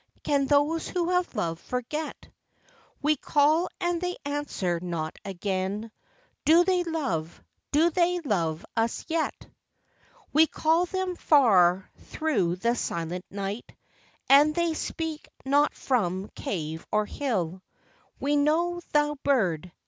Can those who have loved forget ? We call, and they answer not again — Do they love — do they love us yet ? A COUNTRY LIFE. 205 We call them far through the silent night, And they speak not from cave or hill; We know, thou bird